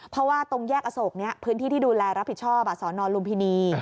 เพราะว่าตรงแยกอโศกนี้พื้นที่ที่ดูแลรับผิดชอบสอนอนลุมพินี